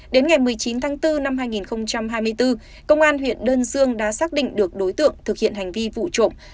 đến ngày một mươi chín tháng bốn năm hai nghìn hai mươi bốn công an huyện đơn dương đã xác định được đối tượng thực hiện hành vi vụ trộm